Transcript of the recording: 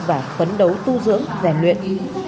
và phấn đấu tu dưỡng rèn luyện